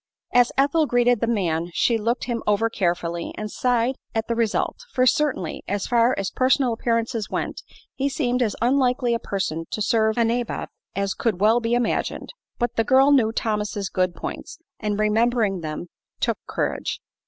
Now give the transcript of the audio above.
As Ethel greeted the man she looked him over carefully and sighed at the result; for certainly, as far as personal appearances went, he seemed as unlikely a person to serve a "nabob" as could well be imagined. But the girl knew Thomas' good points, and remembering them, took courage.